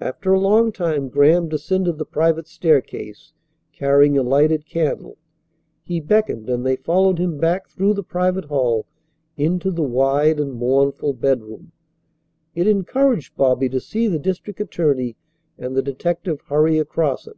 After a long time Graham descended the private staircase, carrying a lighted candle. He beckoned and they followed him back through the private hall into the wide and mournful bedroom. It encouraged Bobby to see the district attorney and the detective hurry across it.